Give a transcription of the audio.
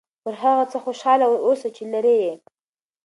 پر هغه څه خوشحاله اوسه چې لرې یې.